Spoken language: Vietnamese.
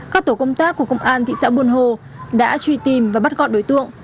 các tổ công tác của công an thị xã buôn hồ đã truy tìm và bắt gọn đối tượng